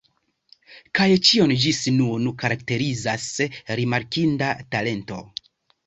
Kaj ĉion, ĝis nun, karakterizas rimarkinda talento.